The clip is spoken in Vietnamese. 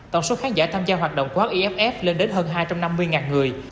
tổng số khán giả tham gia hoạt động của hfff lên đến hơn hai trăm năm mươi người